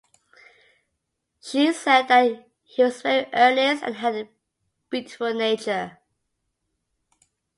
She said that he was very earnest and had a beautiful nature.